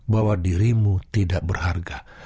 bahwa dirimu tidak berharga